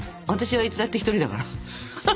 私はいつだって一人だから。